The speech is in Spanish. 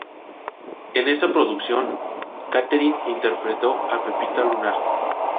En esa producción, Catherine interpretó a Pepita Lunar.